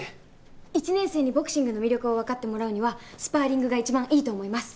１年生にボクシングの魅力をわかってもらうにはスパーリングが一番いいと思います。